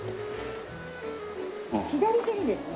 左手にですね